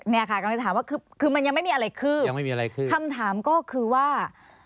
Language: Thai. เนี่ยค่ะก็เลยถามว่าคือคือมันยังไม่มีอะไรคือข้ามถามก็คือว่า